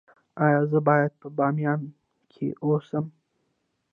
ایا زه باید په بامیان کې اوسم؟